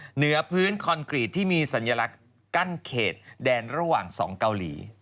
เหนือพื้นคอนกรีตที่มีสัญลักษณ์กั้นเขตแดนระหว่าง๒เกาหลี